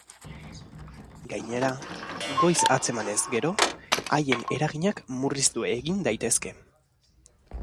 Gainera, goiz atzemanez gero, haien eraginak murriztu egin daitezke.